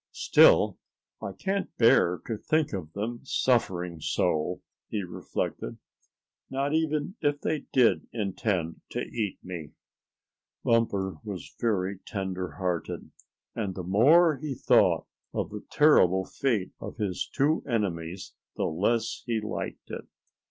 "Still, I can't bear to think of them suffering so," he reflected, "not even if they did intend to eat me." Bumper was very tender hearted, and the more he thought of the terrible fate of his two enemies the less he liked it.